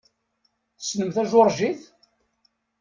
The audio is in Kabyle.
Tessnem tajuṛjit?